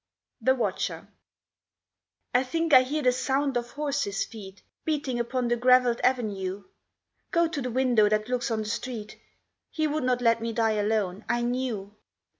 THE WATCHER "I think I hear the sound of horses feet Beating upon the gravelled avenue. Go to the window that looks on the street, He would not let me die alone, I knew."